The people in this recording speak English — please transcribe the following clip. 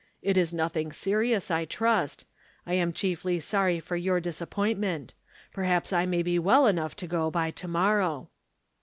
It is nothing serious, I trust. I am chiefly sorry for your disappointment. Perhaps I may be well enough to go by to morrow."